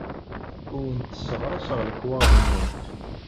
Ur awent-sseɣraseɣ lekwaɣeḍ-nwent.